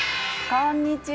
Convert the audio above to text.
こんにちは。